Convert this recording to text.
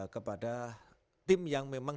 kepada tim yang memang